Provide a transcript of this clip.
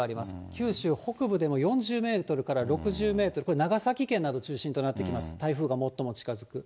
九州北部でも４０メートルから６０メートル、これ、長崎県などが中心となってきます、台風が最も近づく。